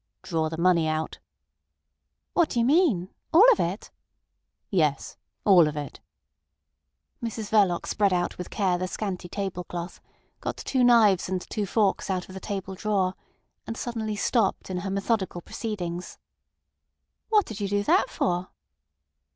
"Draw the money out!" "What do you mean? All of it?" "Yes. All of it." Mrs Verloc spread out with care the scanty table cloth, got two knives and two forks out of the table drawer, and suddenly stopped in her methodical proceedings. "What did you do that for?"